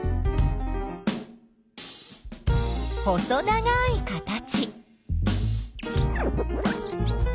細長い形。